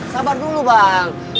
sabar dulu bang